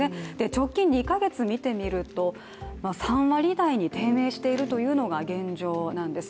直近２か月を見てみると３割台に低迷しているというのが現状なんです。